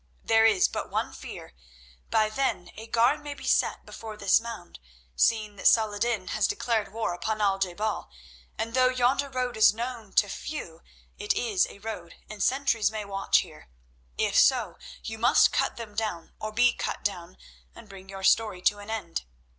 There is but one fear—by then a guard may be set before this mound, seeing that Salah ed din has declared war upon Al je bal, and though yonder road is known to few, it is a road, and sentries may watch here. If so, you must cut them down or be cut down, and bring your story to an end.